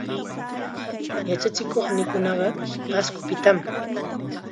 Yachachikuqniikunaqa Pascopitam.